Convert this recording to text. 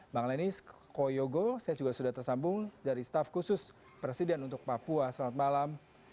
bang lenis koyogo saya juga sudah tersambung dari staff khusus presiden untuk papua selamat malam